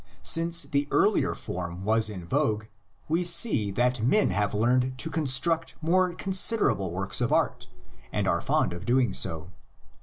Since the earlier form was in vogue we see that men have learned to construct more consider able works of art and are fond of doing so.